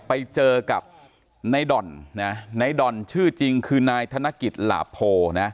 ไปเจอกับในด่อนนะในด่อนชื่อจริงคือนายธนกิจหลาโพนะ